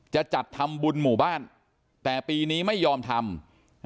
จะจัดทำบุญหมู่บ้านแต่ปีนี้ไม่ยอมทำ